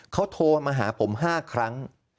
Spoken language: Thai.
เขาโทรมาหาผม๕ครั้ง